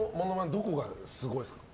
どこがすごいですか？